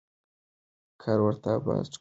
کال ورته آباد ښکارېده.